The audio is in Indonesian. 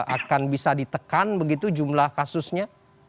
akan bisa ditekan begitu jumlah kasusnya